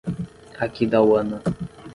Aquidauana